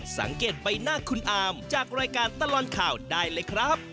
สังเกตใบหน้าคุณอามจากรายการตลอดข่าวได้เลยครับ